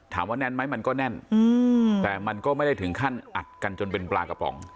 แน่นไหมมันก็แน่นแต่มันก็ไม่ได้ถึงขั้นอัดกันจนเป็นปลากระป๋อง